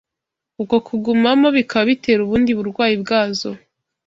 uko kugumamo bikaba bitera ubundi burwayi bwazo